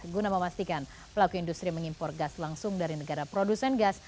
guna memastikan pelaku industri mengimpor gas langsung dari negara produsen gas